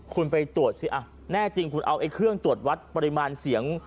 คุณไปตรวจสิแน่จริงคุณเอาเครื่องตรวจวัดปริมาณเสียง